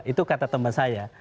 itu kata teman saya